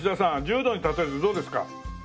柔道に例えるとどうですか？